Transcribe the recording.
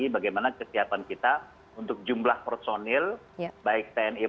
bagaimana persiapan anda untuk memperbaiki earthside